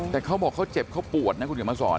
แต่เขาบอกเขาเจ็บเขาปวดนะคุณเขียนมาสอน